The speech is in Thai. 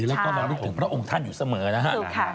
แล้วก็รำลึกถึงพระองค์ท่านอยู่เสมอนะฮะ